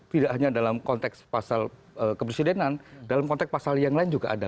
tidak hanya dalam konteks pasal kepresidenan dalam konteks pasal yang lain juga ada